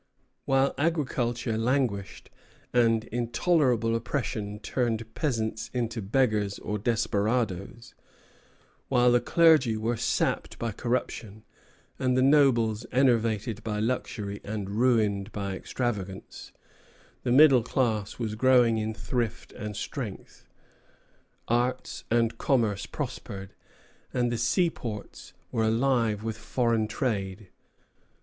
While agriculture languished, and intolerable oppression turned peasants into beggars or desperadoes; while the clergy were sapped by corruption, and the nobles enervated by luxury and ruined by extravagance, the middle class was growing in thrift and strength. Arts and commerce prospered, and the seaports were alive with foreign trade.